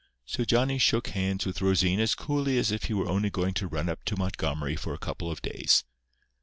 So Johnny shook hands with Rosine as coolly as if he were only going to run up to Montgomery for a couple of days.